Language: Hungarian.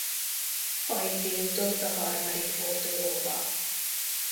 Haiti jutott a harmadik fordulóba.